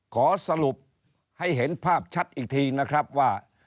ขอสรุปให้เห็นภาพชัดอีกทีนะครับว่า